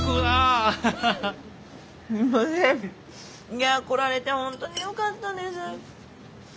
いや来られてホントによかったです。